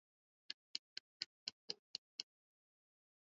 Walifukuzwa au kuwa raia wa nchi hizi wakati mipaka ikibadilika